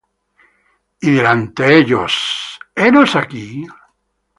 ¿Y diránte ellos: Henos aquí?